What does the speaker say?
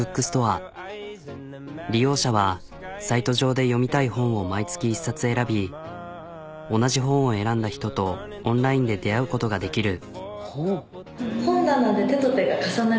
利用者はサイト上で読みたい本を毎月１冊選び同じ本を選んだ人とオンラインで出会うことができる。